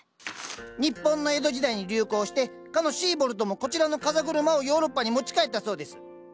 日本の江戸時代に流行してかのシーボルトもこちらの「カザグルマ」をヨーロッパに持ち帰ったそうです。